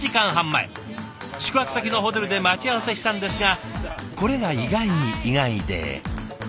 宿泊先のホテルで待ち合わせしたんですがこれが意外に意外で。